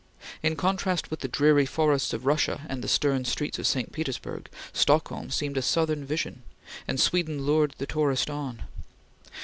In contrast with the dreary forests of Russia and the stern streets of St. Petersburg, Stockholm seemed a southern vision, and Sweden lured the tourist on.